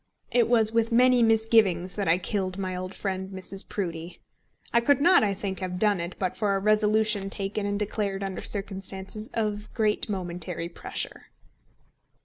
It was with many misgivings that I killed my old friend Mrs. Proudie. I could not, I think, have done it, but for a resolution taken and declared under circumstances of great momentary pressure.